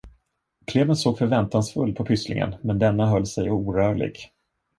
Klement såg förväntansfull på pysslingen, men denne höll sig orörlig.